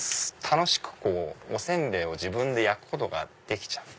楽しくお煎餅を自分で焼くことができちゃう。